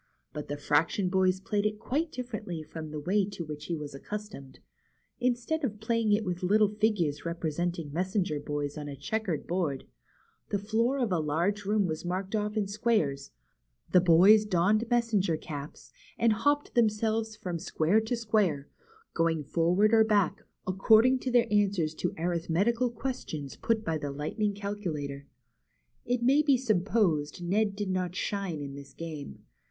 But the fraction boys played it quite differently from the way to which he was ac customed. Instead of playing it with little figures represent ing messenger boys on a checkered board, the floor of a large room was marked off in squares, the boys donned messenger caps, and hopped themselves from square to square, going forward or back according to their answers to arithmetical questions put by the Lightning Calcu lator. IN FRACTIONVILLE. It may be supposed Ned did not shine in this game.